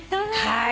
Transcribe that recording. はい。